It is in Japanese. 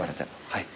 「はい」